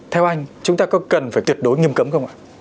theo anh chúng ta có cần phải tuyệt đối nghiêm cấm không ạ